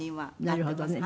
なるほどね。